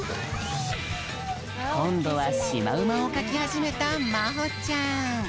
こんどはシマウマをかきはじめたまほちゃん。